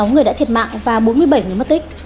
sáu người đã thiệt mạng và bốn mươi bảy người mất tích